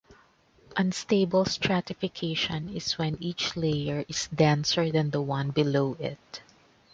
Unstable stratification is when each layer is denser than the one below it.